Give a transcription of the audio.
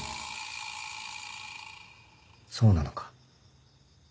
そうなのか？